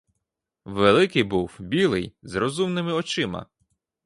Великий був, білий, з розумними очима.